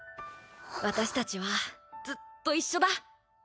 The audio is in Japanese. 私たちはずっと一緒だ。